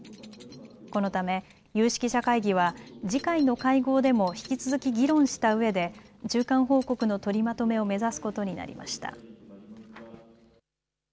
このため有識者会議は次回の会合でも引き続き議論したうえで中間報告の取りまとめを目指すことになりました。